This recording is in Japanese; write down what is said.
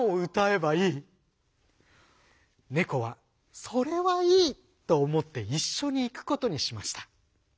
猫は「それはいい！」と思って一緒に行くことにしました。